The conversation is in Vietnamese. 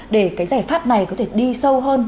để cái giải pháp này có thể đi sâu hơn